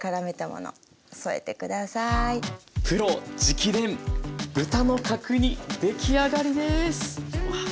プロ直伝豚の角煮出来上がりです！